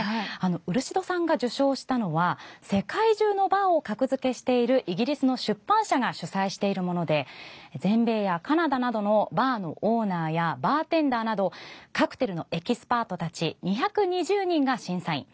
漆戸さんが受賞したのは世界中のバーを格付けしているイギリスの出版社が主催しているもので全米やカナダなどのバーのオーナーやバーテンダーなどカクテルのエキスパートたち２２０人が審査員。